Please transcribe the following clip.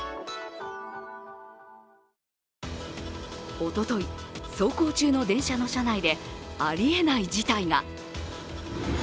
おととい、走行中の電車の車内でありえない事態が。